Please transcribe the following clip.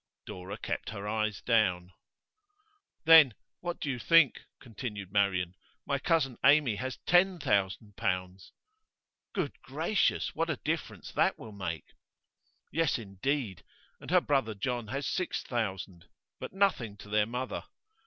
Dora kept her eyes down. 'Then what do you think?' continued Marian. 'My cousin Amy has ten thousand pounds.' 'Good gracious! What a difference that will make!' 'Yes, indeed. And her brother John has six thousand. But nothing to their mother.